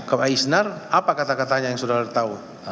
ke pak isnar apa kata katanya yang sudah ada tahu